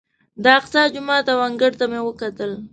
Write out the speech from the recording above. د اقصی جومات او انګړ ته مې وکتلې.